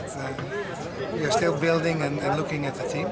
tapi kita masih membangun dan melihat tim